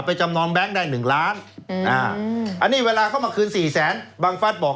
ไปจำนองแบงค์ได้หนึ่งล้านอืออันนี้เวลาเข้ามาคืนสี่แสนบางฟัดบอก